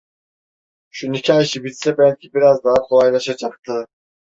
Şu nikâh işi bitse belki biraz daha kolaylaşacaktı.